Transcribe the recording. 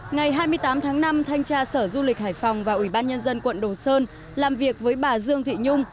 ngày hai mươi tám tháng năm thanh tra sở du lịch hải phòng và ủy ban nhân dân quận đồ sơn làm việc với bà dương thị nhung